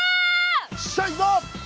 よっしゃ行くぞ！